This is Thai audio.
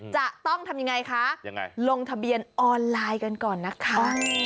จะต้องทำยังไงคะลงทะเบียนออนไลน์กันก่อนนะคะ